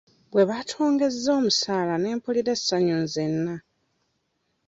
Bwe baatwongezza omusaala ne mpulira essanyu nzenna.